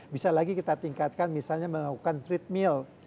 bisa lagi kita tingkatkan misalnya melakukan treadmill